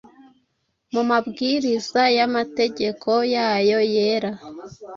Mu mabwiriza y’amategeko yayo yera,